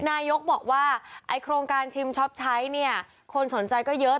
นายกบอกว่าโครงการชิมชอบใช้คนสนใจก็เยอะ